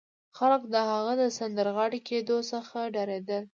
خلک د هغه د سندرغاړي کېدو څخه ډارېدل